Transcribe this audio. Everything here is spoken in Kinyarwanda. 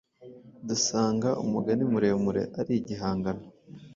dusanga umugani muremure ari igihangano